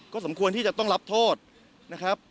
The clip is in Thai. ก็สมควรที่จะต้องรับโทษนะครับ